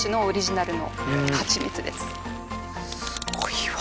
すごいわ。